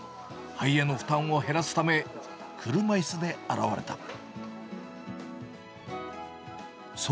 肺への負担を減らすため、車いすで現れた。